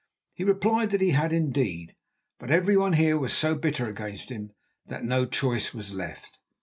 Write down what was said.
He replied that he had, indeed, but everyone here was so bitter against him that no choice was left.